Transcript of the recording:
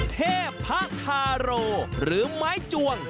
เทพาทาร์โรหรือไม้จวง